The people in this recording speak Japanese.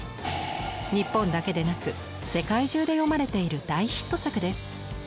日本だけでなく世界中で読まれている大ヒット作です。